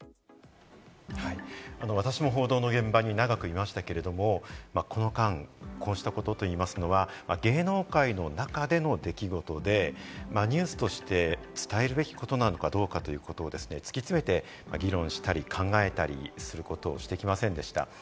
私も報道の現場に長くいましたけど、この間、こうした事と言いますのは、芸能界の中での出来事でニュースとして伝えるべきことなのかどうかということを突き詰めては議論したり考えたりすることをしてきませんでした。